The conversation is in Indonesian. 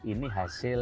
ini hasil kompetisi